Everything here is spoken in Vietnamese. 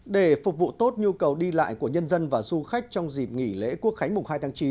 để phục vụ tốt nhu cầu đi lại của nhân dân và du khách trong dịp nghỉ lễ quốc khánh mùng hai tháng chín